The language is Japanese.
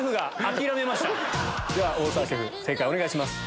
大澤シェフ正解お願いします。